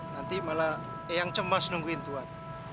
nanti malah eyang cemas nungguin tuan